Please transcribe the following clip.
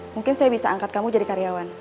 mungkin saya bisa angkat kamu jadi karyawan